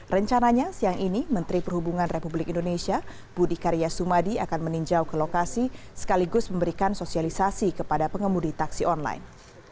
rencananya siang ini menteri perhubungan republik indonesia budi karya sumadi akan meninjau ke lokasi sekaligus memberikan sosialisasi kepada pengemudi taksi online